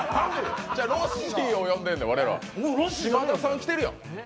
ロッシーを呼んでるんです、島田さん、来てるやん。